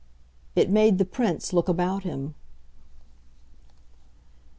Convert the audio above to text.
it made the Prince look about him.